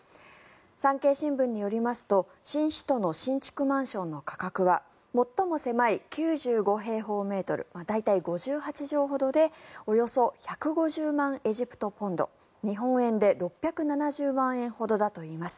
産経新聞によりますと新首都の新築マンションの価格は最も狭い９５平方メートル大体５８畳ほどでおよそ１５０万エジプトポンド日本円で６７０万円ほどだといいます。